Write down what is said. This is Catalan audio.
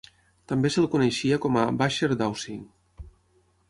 També se'l coneixia com a "Basher Dowsing".